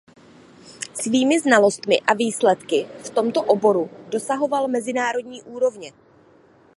Svými znalostmi a výsledky v tomto oboru dosahoval mezinárodní úrovně.